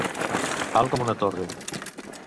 Alt com una torre.